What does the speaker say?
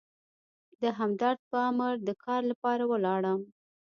د همدرد په امر د کار لپاره ولاړم.